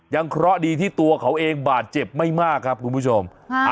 เคราะห์ดีที่ตัวเขาเองบาดเจ็บไม่มากครับคุณผู้ชม